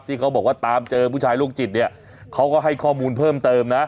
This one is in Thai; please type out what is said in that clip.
เขาบอกว่าตามเจอผู้ชายโรคจิตเนี่ยเขาก็ให้ข้อมูลเพิ่มเติมนะ